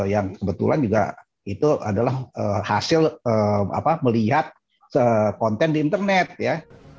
yang kebetulan juga itu adalah hasil melihat konten di internet ya